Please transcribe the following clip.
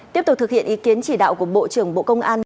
tiếp tục thực hiện ý kiến chỉ đạo của bộ trưởng bộ công an